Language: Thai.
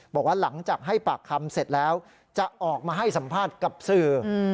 บอกว่าหลังจากให้ปากคำเสร็จแล้วจะออกมาให้สัมภาษณ์กับสื่อ